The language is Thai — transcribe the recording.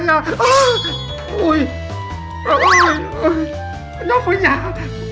เนื้อฝนจ้า